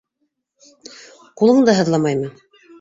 - Ҡулың да һыҙламаймы?